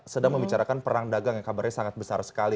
sedang membicarakan perang dagang yang kabarnya sangat besar sekali